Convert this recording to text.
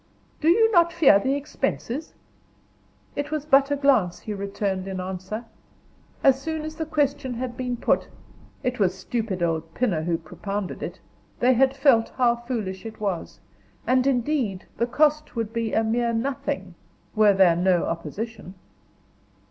"You do not fear the expenses?" It was but a glance he returned in answer. As soon as the question had been put it was stupid old Pinner who propounded it they had felt how foolish it was. And indeed the cost would be a mere nothing, were there no opposition.